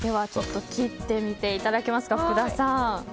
切ってみていただけますか福田さん。